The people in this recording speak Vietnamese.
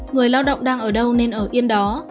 người lao động đang ở đâu nên ở yên đó